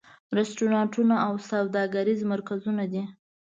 رستورانتونه او سوداګریز مرکزونه دي.